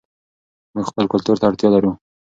موږ خپل کلتور ته اړتیا لرو.